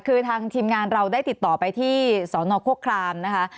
คือทางทีมงานเราได้ติดต่อไปที่สนโครครามนะคะ